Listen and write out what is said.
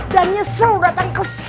dan nyesel datang ke c